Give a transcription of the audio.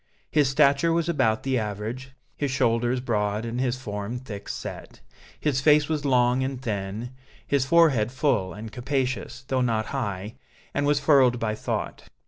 His stature was about the average, his shoulders broad and his form thick set. His face was long and thin, his forehead full and capacious, though not high, and was furrowed by thought.